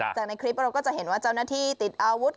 จากในคลิปเราก็จะเห็นว่าเจ้าหน้าที่ติดอาวุธ